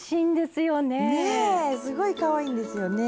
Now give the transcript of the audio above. すごいかわいいんですよね。